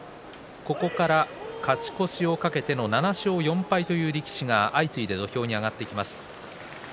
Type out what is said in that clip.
ここから勝ち越しを懸けての７勝４敗という力士が相次いで土俵に上がってきます。